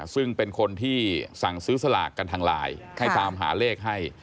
ซึ่งเป็นคนที่สั่งซื้อสลากกันทางไลน์ให้ตามหาเลขให้